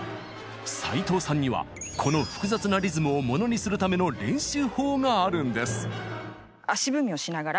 齋藤さんにはこの複雑なリズムをモノにするための練習法があるんです！